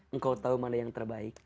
engkau tahu mana yang terbaik